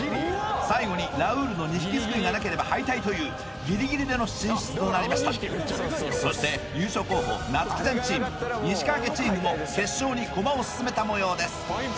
最後にラウールの２匹すくいがなければ敗退というギリギリでの進出となりましたそして優勝候補夏生ちゃんチーム西川家チームも決勝にコマを進めたもようです